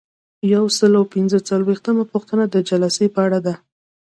یو سل او پنځه څلویښتمه پوښتنه د جلسې په اړه ده.